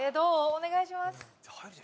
お願いします。